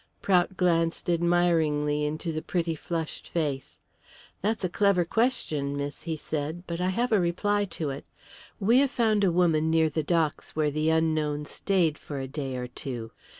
Prout glanced admiringly into the pretty flushed face. "That's a clever question, miss," he said, "but I have a reply to it. We have found a woman near the docks where the unknown stayed for a day or two.